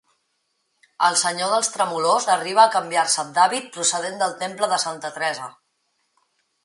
El senyor dels Tremolors arriba a canviar-se d'hàbit procedent del Temple de Santa Teresa.